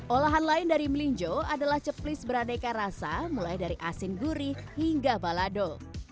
olahan lain dari melinjo adalah ceplis beraneka rasa mulai dari asin gurih hingga balado